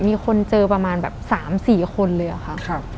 มีคนเจอประมาณแบบ๓๔คนเลยอะค่ะ